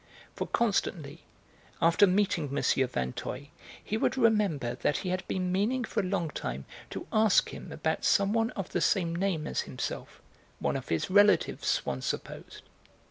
For constantly, after meeting M. Vinteuil, he would remember that he had been meaning for a long time to ask him about some one of the same name as himself, one of his relatives, Swann supposed.